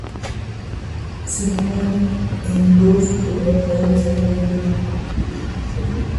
Seminario en dos oportunidades para el Perú.